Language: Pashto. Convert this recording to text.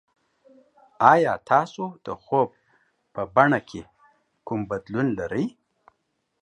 ایا تاسو د خوب په بڼه کې کوم بدلون لرئ؟